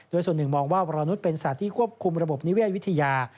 โดยส่วนหนึ่งมองว่าวรนุษย์เป็นสัตว์ที่ควบคุมระบบนิเวศวิทยา